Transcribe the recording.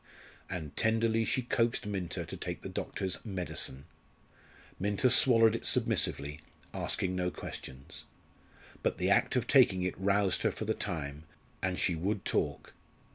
And tenderly she coaxed Minta to take the doctor's "medicine." Minta swallowed it submissively, asking no questions. But the act of taking it roused her for the time, and she would talk.